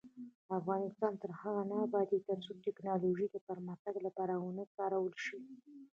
افغانستان تر هغو نه ابادیږي، ترڅو ټیکنالوژي د پرمختګ لپاره ونه کارول شي.